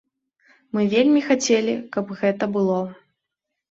Мы вельмі хацелі, каб гэта было.